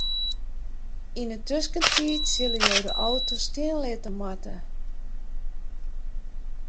Yn 'e tuskentiid sille jo de auto stean litte moatte.